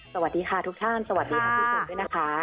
สวัสดีค่ะทุกท่านสวัสดีทุกคนด้วยนะคะ